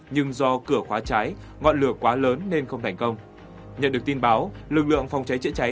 nhưng do cửa khóa cháy ngọn lửa quá lớn nên không thành công